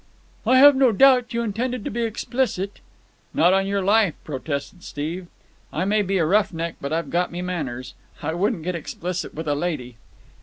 "I have no doubt you intend to be explicit——" "Not on your life!" protested Steve. "I may be a rough neck, but I've got me manners. I wouldn't get explicit with a lady."